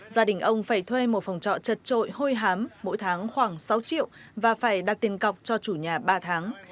gia đình ông phải thuê một phòng trọ chật trội hôi hám mỗi tháng khoảng sáu triệu và phải đặt tiền cọc cho chủ nhà ba tháng